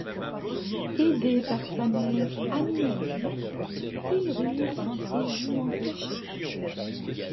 Aidé par sa mère Aminameh, il ruse et joue en cachette.